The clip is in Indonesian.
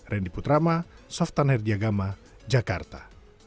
rama softan herdiagama jakarta